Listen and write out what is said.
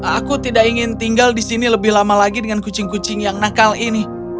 aku tidak ingin tinggal di sini lebih lama lagi dengan kucing kucing yang nakal ini